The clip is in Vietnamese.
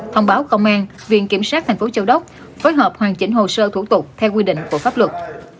thông báo công an viện kiểm sát tp châu đốc phối hợp hoàn chỉnh hồ sơ thủ tục theo quy định của pháp luật